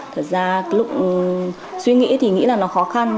thật ra lúc suy nghĩ thì nghĩ là nó khó khăn